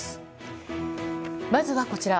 まずはこちら。